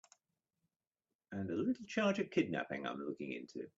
And a little charge of kidnapping I'm looking into.